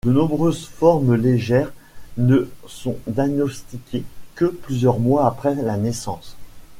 De nombreuses formes légères ne sont diagnostiquées que plusieurs mois après la naissance.